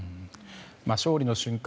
勝利の瞬間